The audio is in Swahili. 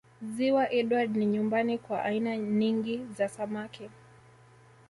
Ziwa Edward ni nyumbani kwa aina ningi za samaki